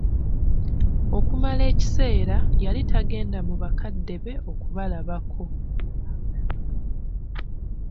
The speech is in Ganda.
Okumala ekiseera yali tegenda mu bakadde be okubalabako.